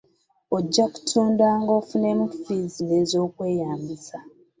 Ojja kutundanga ofunemu ffiizi n'ez'okweyambisa.